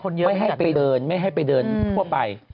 ไม่ให้ไปเดินไม่ให้ไปเดินทั่วไป